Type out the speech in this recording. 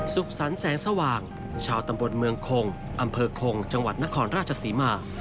สุขสรรค์แสงสว่างชาวตำบลเมืองคงอำเภอคงจังหวัดนครราชศรีมา